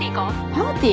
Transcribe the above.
パーティー？